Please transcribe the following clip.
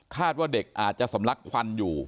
ว่าเด็กอาจจะสำลักควันอยู่